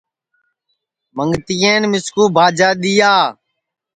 منگتِئین مِسکُو باجا دِؔیا ہے